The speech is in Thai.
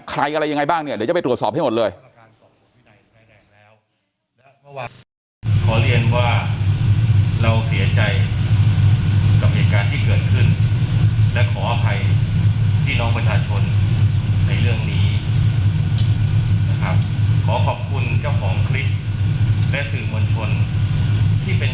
อะไรยังไงบ้างเนี่ยเดี๋ยวจะไปตรวจสอบให้หมดเลย